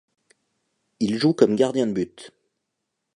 Il joue comme gardien de but.